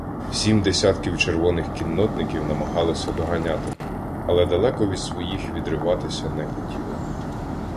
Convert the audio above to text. Сім десятків червоних кіннотників намагалися доганяти, але далеко від своїх відриватися не хотіли.